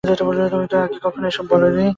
তুমি তো আগে কখনো এসব বলনি।